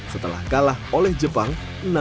setelah kalah oleh jepang enam lima belas